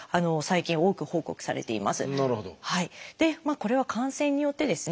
これは感染によってですね